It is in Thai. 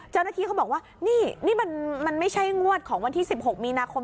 เจ้าหน้าที่เขาบอกว่านี่นี่มันไม่ใช่งวดของวันที่๑๖มีนาคม